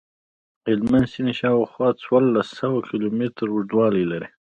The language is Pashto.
هلمند سیند شاوخوا څوارلس سوه کیلومتره اوږدوالی لري.